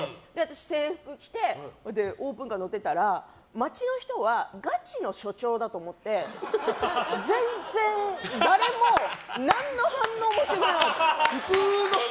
制服着てオープンカーに乗ってたら街の人はガチの署長だと思って全然、誰も何の反応もしてくれないの。